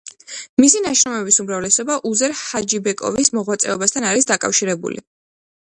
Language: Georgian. მისი ნაშრომების უმრავლესობა უზეირ ჰაჯიბეკოვის მოღვაწეობასთან არის დაკავშირებული.